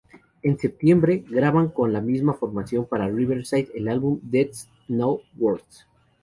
En septiembre, graban, con la misma formación, para Riverside el álbum "Deeds No Words".